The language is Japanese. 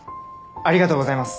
ありがとうございます。